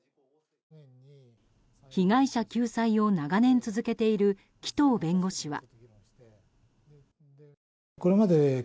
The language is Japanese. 被害者救済を長年続けている紀藤弁護士は。